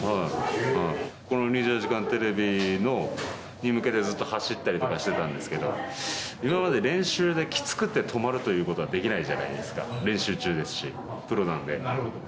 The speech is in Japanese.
この２４時間テレビに向けてずっと走ったりとかしてたんですけど、今まで練習できつくて止まるということはできないじゃないですか、練習中ですし、プロなので。